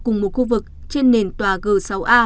cùng một khu vực trên nền tòa g sáu a